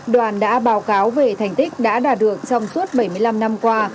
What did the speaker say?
đoàn đã báo cáo về thành tích đã đạt được trong suốt bảy mươi năm năm qua